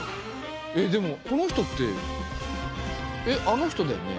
えっでもこの人ってえっあの人だよね。